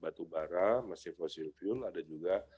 batu bara mesin fosil fuel ada juga